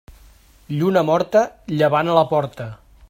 Lluna morta, llevant a la porta.